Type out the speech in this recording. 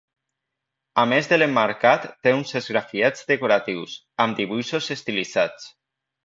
A més de l'emmarcat té uns esgrafiats decoratius, amb dibuixos estilitzats.